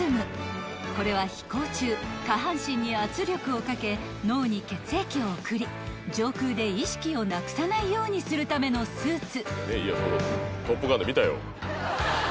［これは飛行中下半身に圧力をかけ脳に血液を送り上空で意識をなくさないようにするためのスーツ］